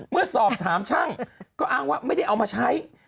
เมื่อสอบถามช่างก็อ้างว่าไม่ได้เอามาใช้